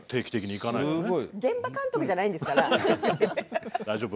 現場監督じゃないんですから。